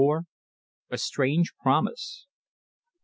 A STRANGE PROMISE.